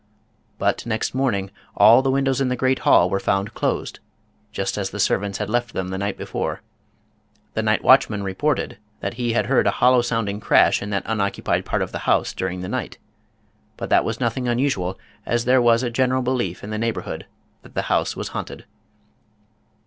But next morning all the windows in the great hall were found closed, just as the servants had left them the night before. The night watchman reported that he had heard a hollow sounding crash in that unoccupied part of the house during the night. But that was nothing unusual, as there was a general belief in the neighborhood that the house was haunted.